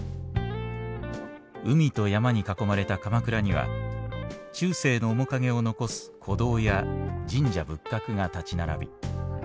海と山に囲まれた鎌倉には中世の面影を残す古道や神社仏閣が立ち並び